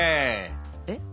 えっ？